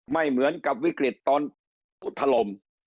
ไม่เหมือนกับวิกฤตฯตอนปุทธลม